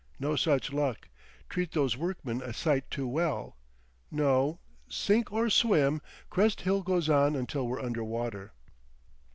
No such luck. Treat those workmen a sight too well. No, sink or swim, Crest Hill goes on until we're under water."